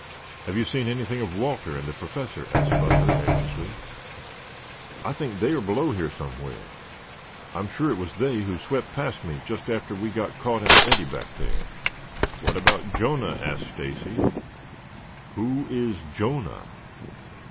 "Have you seen anything of Walter and the Professor?" asked Butler anxiously. "I think they are below here somewhere. I am sure it was they who swept past me just after we got caught in the eddy back there." "How about Jonah?" asked Stacy. "Who is Jonah?"